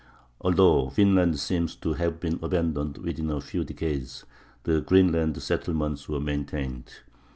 Although Vinland seems to have been abandoned within a few decades, the Greenland settlements were maintained.